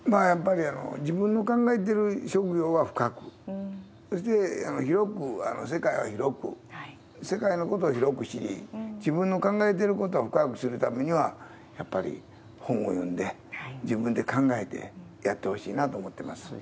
やっぱり自分の考えてる職業は深く、そして広く、世界を広く、世界のことを広く知り、自分の考えてることは深くするためには、やっぱり本を読んで、自分で考えて、やってほしいなと思います。